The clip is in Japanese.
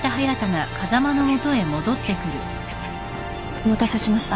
・・お待たせしました。